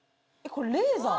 これレーザー？